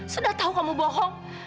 sudah tahu kamu bohong